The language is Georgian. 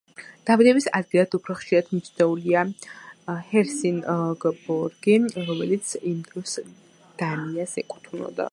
დაბადების ადგილად უფრო ხშირად მიჩნეულია ჰელსინგბორგი, რომელიც იმ დროს დანიას ეკუთვნოდა.